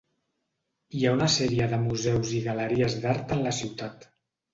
Hi ha una sèrie de museus i galeries d'art en la ciutat.